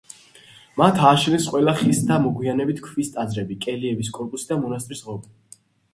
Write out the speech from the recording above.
მათ ააშენეს ყველა ხის და მოგვიანებით ქვის ტაძრები, კელიების კორპუსი და მონასტრის ღობე.